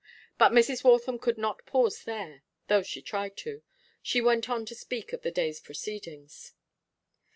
But Mrs. Waltham could not pause there, though she tried to. She went on to speak of the day's proceedings.